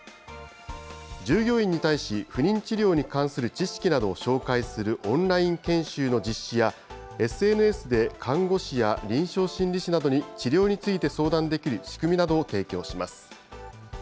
従業員に対し、不妊治療に関する知識などを紹介するオンライン研修の実施や、ＳＮＳで、看護師や臨床心理士などに治療について相談できる仕組みなどを提供します。